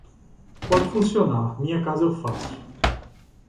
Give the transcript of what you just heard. Pode funcionar, minha casa eu faço.